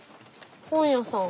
本屋さん。